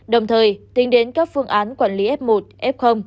đồng thời tính đến các phương án quản lý f một f